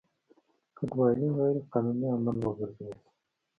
کډوالي غیر قانوني عمل وګرځول شو.